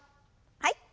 はい。